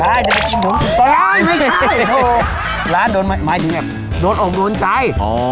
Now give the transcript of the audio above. ใช่จะไปกินไม่ใช่โอ้ร้านโดนหมายถึงแบบโดนอบโดนใจอ๋อ